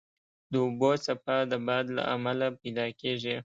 د اوبو څپه د باد له امله پیدا کېږي.